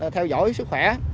theo dõi sức khỏe